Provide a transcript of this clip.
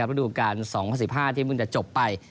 ประดูกอัน๒๐๑๕ที่มึงจะจบไป